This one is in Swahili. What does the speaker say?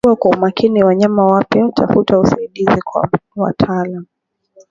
kagua kwa umakini wanyama wapya tafuta usaidizi kwa wataalamu